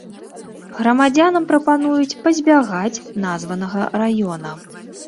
Грамадзянам прапануюць пазбягаць названага раёна.